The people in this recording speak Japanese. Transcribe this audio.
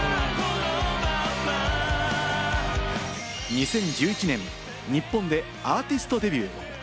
２０１１年、日本でアーティストデビュー。